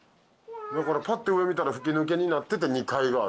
だからパッ！って上見たら吹き抜けになってて２階がある。